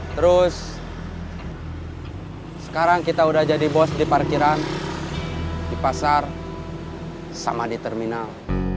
terus sekarang kita udah jadi bos di parkiran di pasar sama di terminal